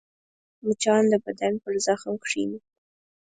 مچان د بدن پر زخم کښېني